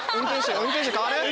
運転手代わる？